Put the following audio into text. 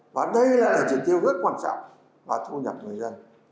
và đây là chỉ tiêu rất quan trọng là thu nhập người dân